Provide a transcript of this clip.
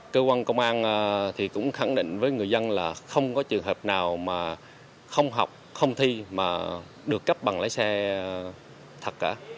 cơ quan công an cũng khẳng định với người dân là không có trường hợp nào mà không học không thi mà được cấp bằng lái xe thật cả